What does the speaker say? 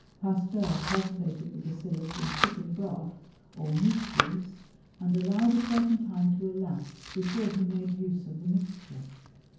Pasteur cultivated the bacillus in chicken broth or meat juice, and allowed a certain time to elapse before he made use of the mixture.